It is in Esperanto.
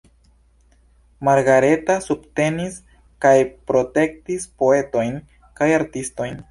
Margareta subtenis kaj protektis poetojn kaj artistojn.